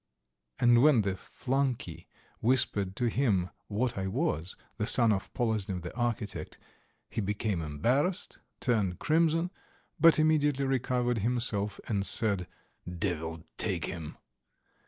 And when the flunkey whispered to him what I was, the son of Poloznev the architect, he became embarrassed, turned crimson, but immediately recovered himself and said: "Devil take him."